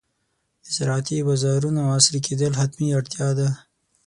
د زراعتي بازارونو عصري کېدل حتمي اړتیا ده.